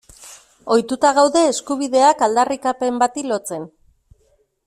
Ohituta gaude eskubideak aldarrikapen bati lotzen.